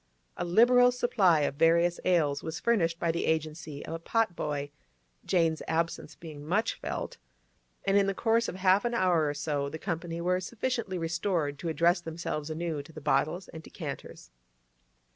A liberal supply of various ales was furnished by the agency of a pot boy (Jane's absence being much felt), and in the course of half an hour or so the company were sufficiently restored to address themselves anew to the bottles and decanters.